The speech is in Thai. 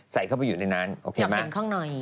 ใส่เข้าไปอยู่ในนั้นโอเคมาก